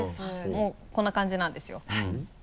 もうこんな感じなんですよ。